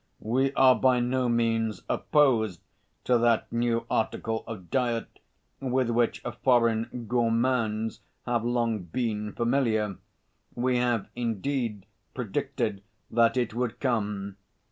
We are by no means opposed to that new article of diet with which foreign gourmands have long been familiar. We have, indeed, predicted that it would come.